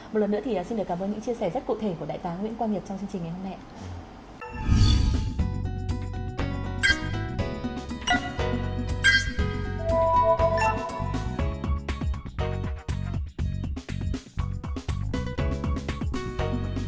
một lần nữa thì xin được cảm ơn những chia sẻ rất cụ thể của đại tá nguyễn quang nhật trong chương trình ngày hôm nay